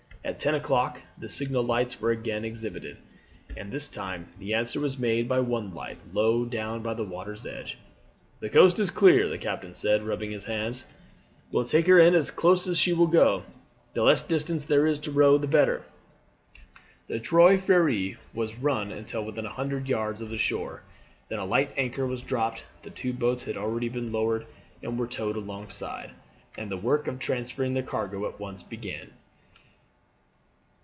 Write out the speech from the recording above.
At ten o'clock the signal lights were again exhibited, and this time the answer was made by one light low down by the water's edge. "The coast is clear," the captain said, rubbing his hands. "We'll take her in as close as she will go, the less distance there is to row the better." The Trois Freres was run on until within a hundred yards of the shore, then a light anchor was dropped. The two boats had already been lowered and were towed alongside, and the work of transferring the cargo at once began.